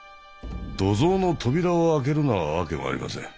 土蔵の扉を開けるのは訳もありません。